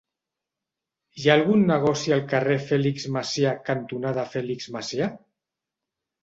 Hi ha algun negoci al carrer Fèlix Macià cantonada Fèlix Macià?